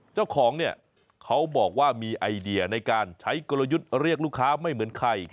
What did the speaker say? เจ้าของเนี่ยเขาบอกว่ามีไอเดียในการใช้กลยุทธ์เรียกลูกค้าไม่เหมือนใคร